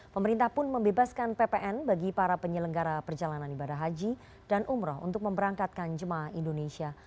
pemerintah pun membebaskan ppn bagi para penyelenggara perjalanan ibadah haji dan umroh untuk memberangkatkan jemaah indonesia